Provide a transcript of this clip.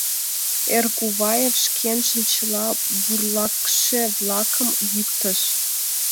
Эргуваев шкенжын чыла бурлакше-влакым йӱктыш.